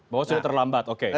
bahwa sudah terlambat oke